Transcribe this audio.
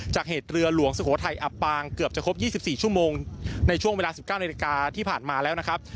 เหตุเรือหลวงสุโขทัยอับปางเกือบจะครบ๒๔ชั่วโมงในช่วงเวลา๑๙นาฬิกาที่ผ่านมาแล้วนะครับ